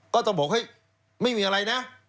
ก็ต้องบอกเฮ้ยไม่มีอะไรนะ